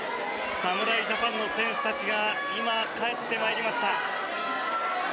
侍ジャパンの選手たちが今、帰ってまいりました。